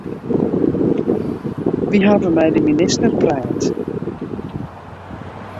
Wy hawwe mei de minister praat.